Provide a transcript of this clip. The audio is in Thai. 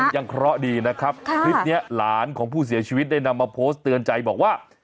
เคราะห์ดีนะครับคลิปนี้หลานของผู้เสียชีวิตได้นำมาโพสต์เตือนใจบอกว่า